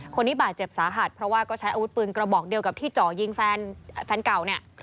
คนนี้บาดเจ็บสาหัสเพราะว่าก็ใช้อาวุธปืนกระบอกเดียวกับที่เจาะยิงแฟนเก่าเนี่ย